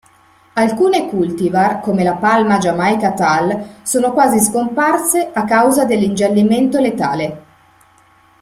Alcune cultivar, come la palma "Jamaica Tall" sono quasi scomparse a causa dell'ingiallimento letale.